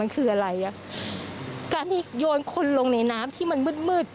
คืออะไรอ่ะการที่โยนคนลงในน้ำที่มันมืดมืด